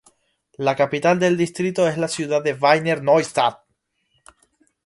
La capital del distrito es la ciudad de Wiener Neustadt.